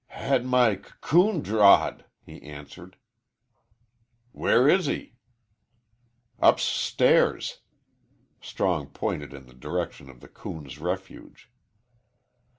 "Had my coon d drawed," he answered. "Where is he?" "Up s stairs." Strong pointed in the direction of the coon's refuge.